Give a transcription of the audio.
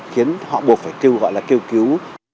khiến họ buộc phải kêu gọi là kêu cứu